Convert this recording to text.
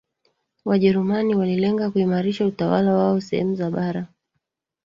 Wajerumani walilenga kuimarisha utawala wao sehemu za bara